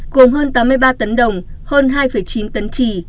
gồm hơn tám mươi ba tấn đồng hơn hai chín tấn trì